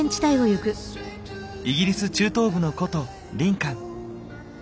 イギリス中東部の古都リンカン。